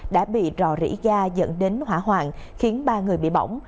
đã bị rò rỉ ga dẫn đến hỏa hoạn khiến ba người bị bỏng